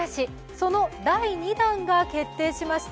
その第２弾が決定しました。